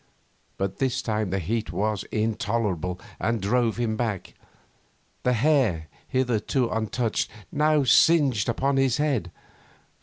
But this time the heat was intolerable and drove him back. The hair, hitherto untouched, now singed upon his head.